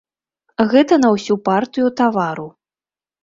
Гэта на ўсю партыю тавару.